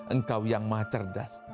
engkau yang maha cerdas